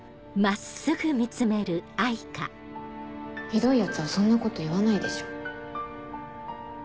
ひどいヤツはそんなこと言わないでしょ。